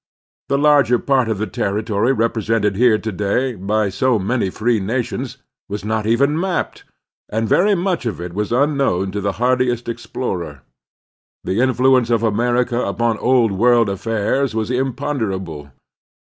The larger part of the terri tory represented here to day by so many free nations was not even mapped, and very much of it was unknown to the hardiest explorer. The influence of America upon Old World affairs was imponderable.